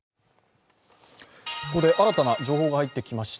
ここで新たな情報が入ってきました。